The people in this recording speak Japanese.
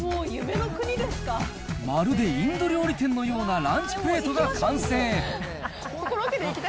まるでインド料理店のようなランチプレートが完成。